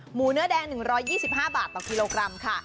หมูเนื้อแดง๑๒๕บาทต่อกิโลกรัมค่ะ